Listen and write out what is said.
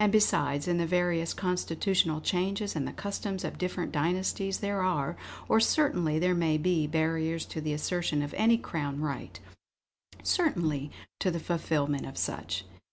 And besides, in the various constitutional changes, and the customs of different dynasties, there are, or certainly there may be, barriers to the assertion of any Crown right certainly to the fulfillment of such!"